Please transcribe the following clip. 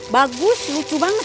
bagus lucu banget